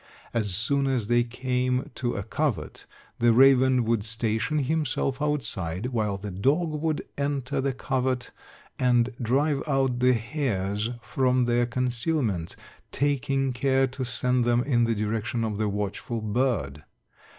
As soon as they came to a covert, the raven would station himself outside, while the dog would enter the covert and drive out the hares from their concealment, taking care to send them in the direction of the watchful bird.